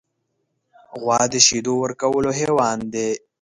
غوا د شیدو ورکولو حیوان دی.